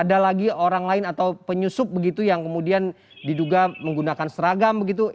ada lagi orang lain atau penyusup begitu yang kemudian diduga menggunakan seragam begitu